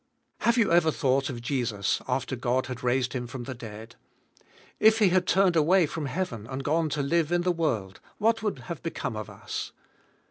Have you ever thought of Jesus after God had raised Him from the dead? If He had turned away from heaven and gone to live in the world what would have become of us